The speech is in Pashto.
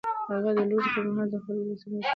هغه د لوږې پر مهال د خلکو لاسنيوی کاوه.